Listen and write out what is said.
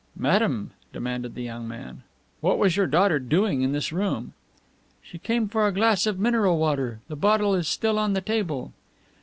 "Madame," demanded the young man, "what was your daughter doing in this room?" "She came for a glass of mineral water; the bottle is still on the table."